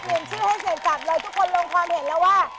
ก็เปลี่ยนชื่อให้เสียงจากเลยทุกคนลงความเห็นแล้วว่า